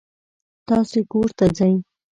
تاسې کور ته ځئ.